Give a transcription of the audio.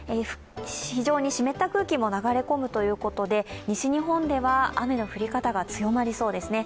非常に湿った空気も流れ込むということで西日本では雨の降り方が強まりそうですね。